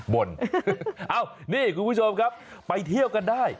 บ่นเอ้านี่คุณผู้ชมครับไปเที่ยวกันได้